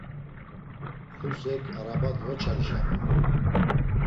Xusek araba dvoçalişapu.